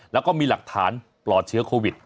แล้วก็มีหลักฐานปลอดเชื้อโควิด